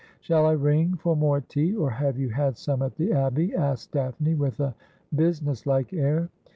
' Shall I ring for more tea, or have you had some at the Abbey ?' asked Daphne, with a businesslike air.